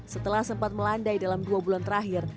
setelah sempat melandai dalam dua bulan terakhir